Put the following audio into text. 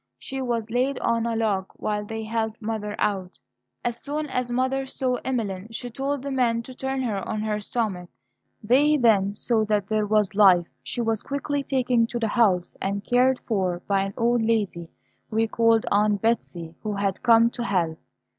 She was laid on a log while they helped mother out. As soon as mother saw Emeline, she told the men to turn her on her stomach. They then saw that there was life. She was quickly taken to the house, and cared for by an old lady we called Aunt Betsey, who had come to help.